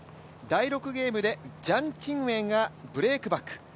第６ゲームでジャン・チンウェンがブレークバック。